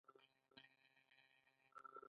د مطالعې ساحه مشخصول